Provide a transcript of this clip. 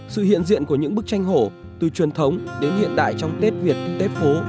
sự hiện diện của những bức tranh hổ từ truyền thống đến hiện đại trong tết việt tết phố